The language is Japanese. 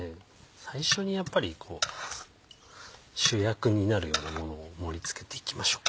最初にやっぱり主役になるようなものを盛り付けていきましょうか。